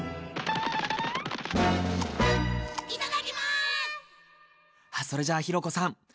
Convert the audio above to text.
君もそれじゃあひろ子さん。